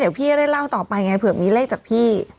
เดี๋ยวพี่จะได้เล่าต่อไปไงเผื่อมีเลขจากพี่